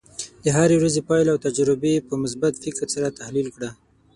د هرې ورځې پایله او تجربې په مثبت فکر سره تحلیل کړه.